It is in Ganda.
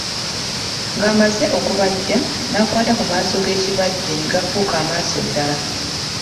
Ng'amaze okubajja, n'akwata ku maaso g'ekibajje ne gafuuka amaaso ddala.